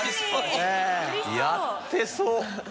やってそう。